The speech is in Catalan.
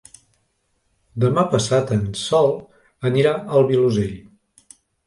Demà passat en Sol anirà al Vilosell.